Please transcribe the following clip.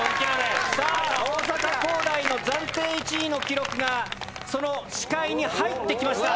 大阪工大の暫定１位の記録がその視界に入ってきました。